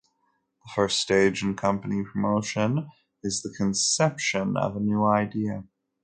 The first stage in company promotion is the conception of a new idea.